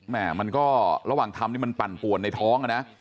แม่มันก็ระหว่างทำนี่มันปั่นป่วนในท้องอ่ะนะ